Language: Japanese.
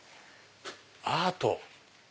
アート！